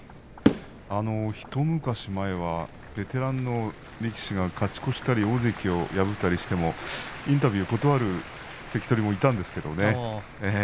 一昔前にはベテランの力士、勝ち越した日も大関を破ったりしてもインタビューを断る関取もいたんですけれどね